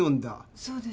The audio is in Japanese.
そうです。